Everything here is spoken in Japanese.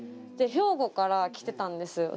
兵庫から来てたんです。